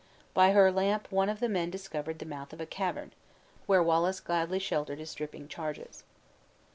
By her lamp one of the men discovered the mouth of a cavern, where Wallace gladly sheltered his dripping charges.